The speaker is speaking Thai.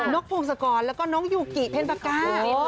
กพงศกรแล้วก็น้องยูกิเพ็ญปากา